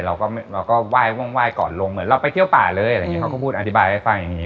เราก็ไหว้ก่อนลงเหมือนเราไปเที่ยวป่าเลยเขาก็พูดอธิบายให้ฟังอย่างนี้